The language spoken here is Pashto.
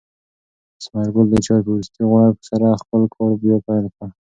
ثمر ګل د چای په وروستۍ غړپ سره خپل کار بیا پیل کړ.